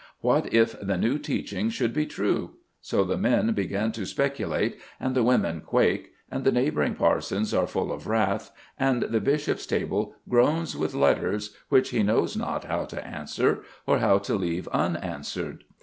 What if the new teaching should be true? So the men begin to speculate, and the women quake, and the neighbouring parsons are full of wrath, and the bishop's table groans with letters which he knows not how to answer, or how to leave unanswered.